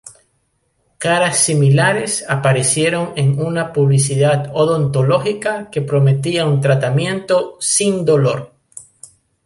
Caras similares aparecieron en una publicidad odontológica que prometía un tratamiento "sin dolor".